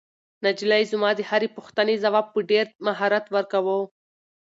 نجلۍ زما د هرې پوښتنې ځواب په ډېر مهارت ورکاوه.